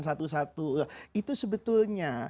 satu satu itu sebetulnya